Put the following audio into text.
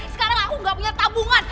sekarang aku nggak punya tabungan